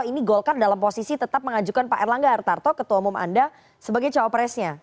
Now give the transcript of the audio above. ini golkar dalam posisi tetap mengajukan pak erlangga hartarto ketua umum anda sebagai cawapresnya